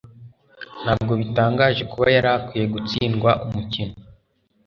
Ntabwo bitangaje kuba yari akwiye gutsindwa umukino